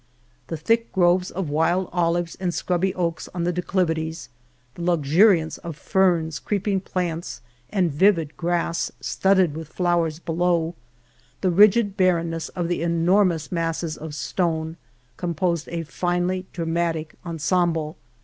The thick groves of wild olives and scrubby oaks on the declivities ; the luxu riance of ferns, creeping plants, and vivid grass, studded with flowers below ; the rigid barrenness of the enormous masses of stone, composed a finely dramatic ensemble.